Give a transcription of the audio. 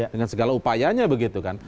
dengan segala upayanya begitu kan